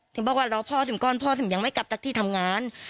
เดี๋ยวบอกว่ารอพ่อสิ่มก่อนพ่อสิ่มยังไม่กลับจากที่ทำงาน